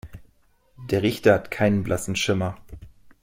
Der Richter hat keinen blassen Schimmer.